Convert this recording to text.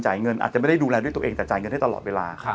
เงินอาจจะไม่ได้ดูแลด้วยตัวเองแต่จ่ายเงินให้ตลอดเวลา